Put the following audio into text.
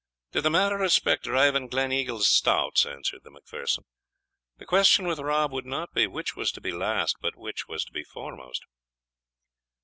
"Did the matter respect driving Glen Eigas stots," answered the Macpherson, "the question with Rob would not be, which was to be last, but which was to be foremost."